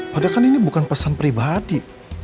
padahal kan ini bukan pesan pribadi